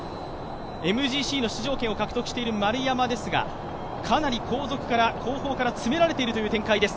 ＭＧＣの出場権を獲得している丸山ですがかなり後方から詰められている展開です。